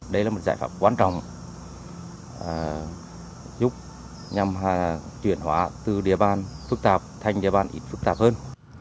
đây là một giải pháp quan trọng giúp nhằm chuyển hóa từ địa bàn phức tạp thành địa bàn ít phức tạp hơn